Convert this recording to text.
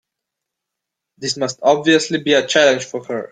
This must obviously be a challenge for her.